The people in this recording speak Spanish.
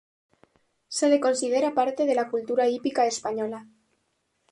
Se le considera parte de la cultura hípica española.